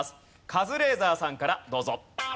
カズレーザーさんからどうぞ。